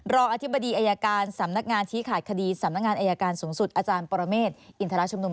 อธิบดีอายการสำนักงานชี้ขาดคดีสำนักงานอายการสูงสุดอาจารย์ปรเมฆอินทรชุมนุม